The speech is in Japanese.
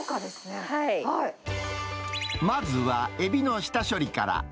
まずはエビの下処理から。